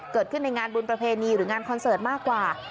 เกิดขึ้นในงานบุญประเพณีหรืองานคอนเสิร์ตมากกว่า